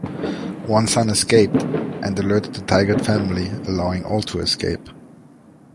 One son escaped and alerted the Tygart family, allowing all to escape.